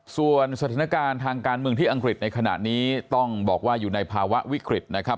ส่วนสถานการณ์ทางการเมืองที่อังกฤษในขณะนี้ต้องบอกว่าอยู่ในภาวะวิกฤตนะครับ